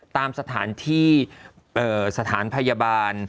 ตามสถานที่สถานพยาบาล